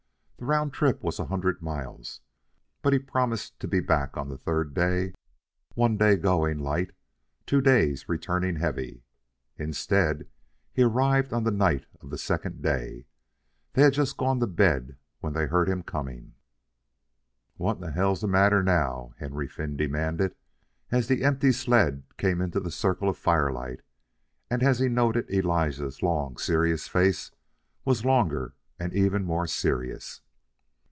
The round trip was a hundred miles, but he promised to be back on the third day, one day going light, two days returning heavy. Instead, he arrived on the night of the second day. They had just gone to bed when they heard him coming. "What in hell's the matter now?" Henry Finn demanded, as the empty sled came into the circle of firelight and as he noted that Elijah's long, serious face was longer and even more serious.